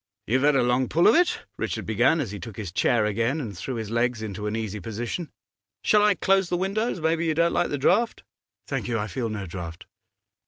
'You've had a long pull of it,' Richard began, as he took his chair again, and threw his legs into an easy position. 'Shall I close the windows? Maybe you don't like the draught.' 'Thank you; I feel no draught.